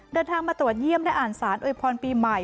เดินทางมาตรวจเยี่ยมและอ่านสารอวยพรปีใหม่